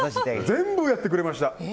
全部やってくれました。